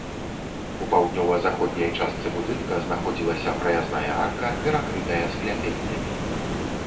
У паўднёва-заходняй частцы будынка знаходзілася праязная арка, перакрытая скляпеннямі.